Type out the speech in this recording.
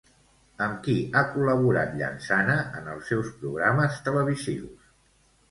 Amb qui ha col·laborat Llansana en els seus programes televisius?